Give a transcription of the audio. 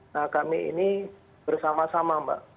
nah kami ini bersama sama mbak